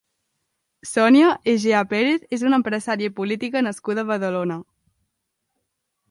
Sonia Egea Pérez és una empresària i política nascuda a Badalona.